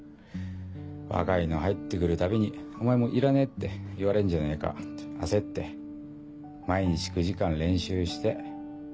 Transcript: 若いの入ってくるたびに「お前もういらねえ」って言われんじゃねえかって焦って毎日９時間練習して。